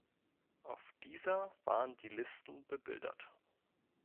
Auf dieser waren die Listen bebildert.